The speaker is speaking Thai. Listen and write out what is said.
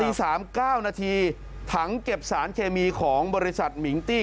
๓๙นาทีถังเก็บสารเคมีของบริษัทมิงตี้